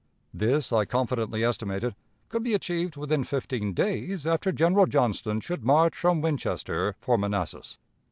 This, I confidently estimated, could be achieved within fifteen days after General Johnston should march from Winchester for Manassas.